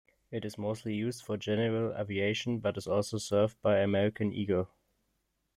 It is mostly used for general aviation, but is also served by American Eagle.